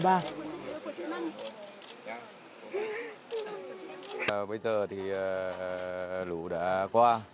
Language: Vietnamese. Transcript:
bây giờ thì lũ đã qua